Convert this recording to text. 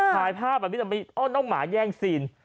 ถ่ายภาพน้องหมาแย่งซีน